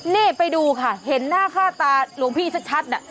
นี่ไปดูค่ะเห็นหน้าค่าตาหลวงพี่ชัดน่ะ